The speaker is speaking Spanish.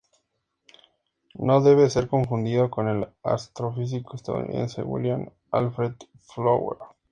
No debe ser confundido con el astrofísico estadounidense William Alfred Fowler.